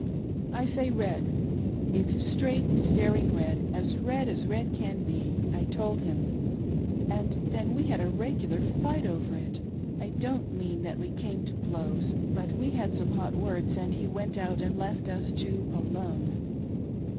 " I say red/ — it's straight, staring red — as red as red can be^ I told him ; and then we had a regular fight over it. I don't mean that we came to blows, but we had some hot words, and he went out and left us two alone.